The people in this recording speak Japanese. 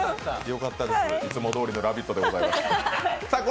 よかったです、いつもどおりの「ラヴィット！」でございます。